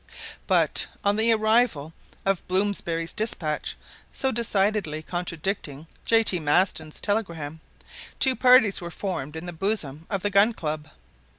But on the arrival of Blomsberry's dispatch, so decidely contradicting J. T. Maston's telegram, two parties were formed in the bosom of the Gun Club.